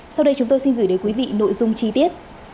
sau đây chúng tôi xin gửi đến quý vị nội dung chi tiết